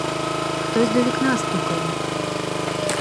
Хтось до вікна стукає!